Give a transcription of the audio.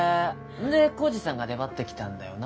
んで耕治さんが出ばってきたんだよな。